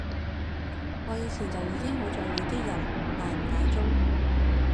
我以前就已經好在意啲人奶唔奶中